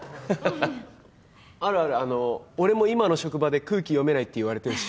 あの俺も今の職場で空気読めないって言われてるし。